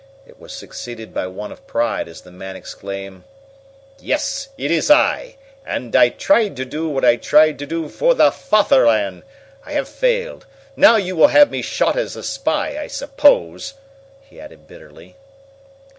It was succeeded by one of pride as the man exclaimed: "Yes, it is I! And I tried to do what I tried to do for the Fatherland! I have failed. Now you will have me shot as a spy, I suppose!" he added bitterly.